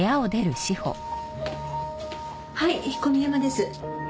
はい小宮山です。